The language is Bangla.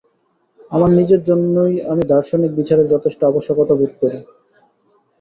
আমার নিজের জন্যই আমি দার্শনিক বিচারের যথেষ্ট আবশ্যকতা বোধ করি।